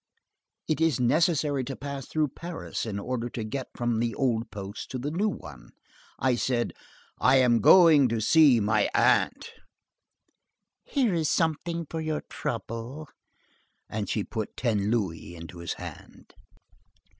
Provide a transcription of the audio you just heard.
It is necessary to pass through Paris in order to get from the old post to the new one. I said: 'I am going to see my aunt.'" "Here is something for your trouble." And she put ten louis into his hand.